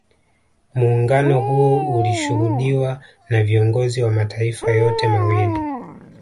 Muungano huo ulishuhudiwa na viongozi wa mataifa yote mawili